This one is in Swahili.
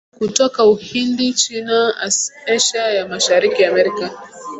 kutoka Uhindi China Asia ya Mashariki Amerika